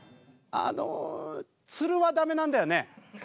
あの鶴は駄目なんだよね。